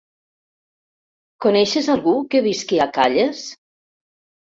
Coneixes algú que visqui a Calles?